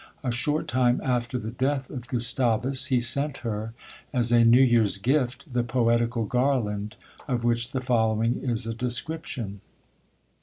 A short time after the death of Gustavus, he sent her, as a new year's gift, the POETICAL GARLAND of which the following is a description.